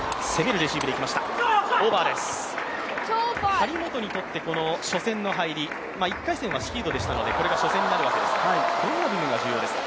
張本にとって、この初戦の入り１回戦はシードでしたのでこれが初戦になるわけですけどもどういった部分が重要ですか？